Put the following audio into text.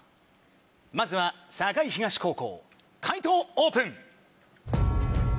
まずは栄東高校解答オープン。